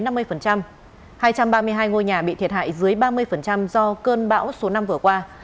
hai trăm ba mươi hai ngôi nhà bị thiệt hại dưới ba mươi do cơn bão số năm vừa qua